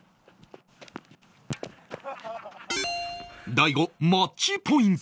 大悟マッチポイント